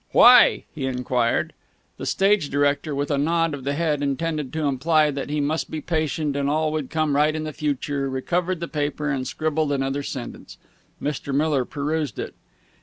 "Why?" he enquired. The stage director, with a nod of the head intended to imply that he must be patient and all would come right in the future, recovered the paper, and scribbled another sentence. Mr. Miller perused it.